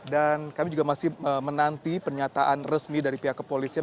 dan kami juga masih menanti pernyataan resmi dari pihak kepolisian